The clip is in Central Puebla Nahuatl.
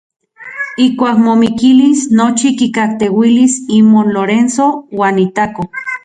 Ijkuak momikilis nochi kikajteuilis imon Lorenzo uan itako.